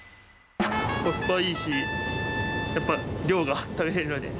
コスパいいし、やっぱ量が食べれるので。